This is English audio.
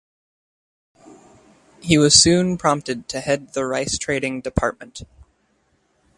He was soon promoted to head the rice-trading department.